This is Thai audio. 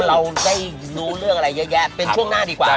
เราได้รู้เรื่องอะไรเยอะแยะเป็นช่วงหน้าดีกว่า